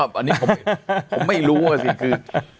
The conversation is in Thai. อันนี้ผมไม่รู้ว่าสิคือ